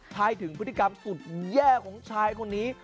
ให้ถึงพฤติกรรมสุดแย่ของชายคนนี้